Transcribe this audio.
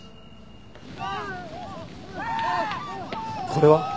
「」これは？